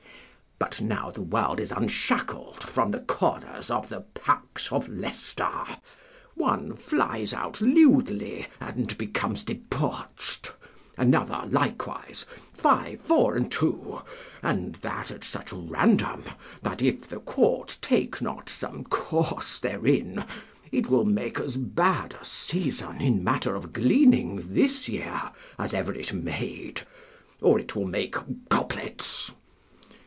But now the world is unshackled from the corners of the packs of Leicester. One flies out lewdly and becomes debauched; another, likewise, five, four, and two, and that at such random that, if the court take not some course therein, it will make as bad a season in matter of gleaning this year as ever it made, or it will make goblets.